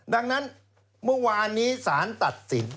ดังนั้นเมื่อวานนี้สารตัดสิน